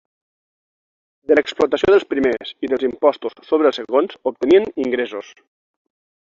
De l'explotació dels primers i dels impostos sobre els segons obtenien ingressos.